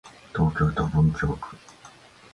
東京都文京区